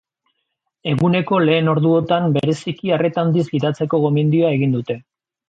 Eguneko lehen orduotan bereziki arreta handiz gidatzeko gomendioa egin dute.